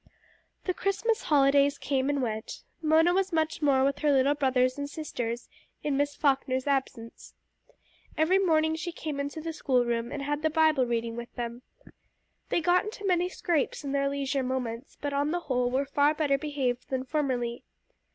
The Christmas holidays came and went. Mona was much more with her little brother and sisters in Miss Falkner's absence. Every morning she came into the school room, and had the Bible reading with them. They got into many scrapes in their leisure moments, but on the whole were far better behaved than formerly.